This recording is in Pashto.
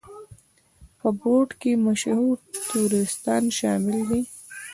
په بورډ کې مشهور تیوریستان شامل دي.